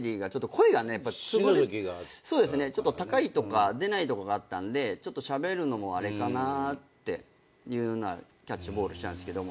声がやっぱつぶれ高いとか出ないとかがあったんでしゃべるのもあれかなっていうようなキャッチボールしてたんですけど。